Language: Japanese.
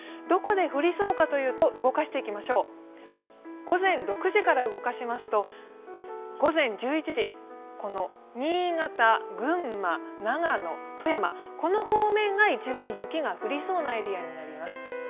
どこで降りそうかというと、午前６時から動かしますと、午前１１時、この新潟、群馬、長野、富山、この方面が一番雪が降りそうなエリアになります。